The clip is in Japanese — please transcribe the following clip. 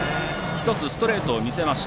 １つ、ストレートを見せています。